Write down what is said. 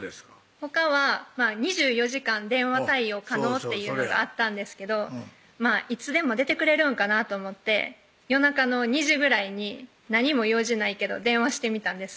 ほかは２４時間電話対応可能っていうのがあったんですけどいつでも出てくれるんかなと思って夜中の２時ぐらいに何も用事ないけど電話してみたんです